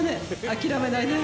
諦めないで。